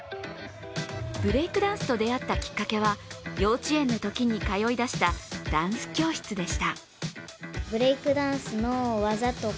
ブレイクダンスと出会ったきっかけは、幼稚園のときに通い出したダンス教室でした。